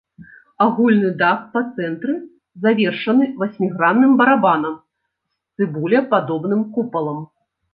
Агульны дах па цэнтры завершаны васьмігранным барабанам з цыбулепадобным купалам.